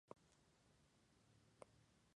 Paulina Goto nació en Monterrey, Nuevo León.